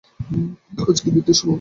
আজকের দিনটা শুভ।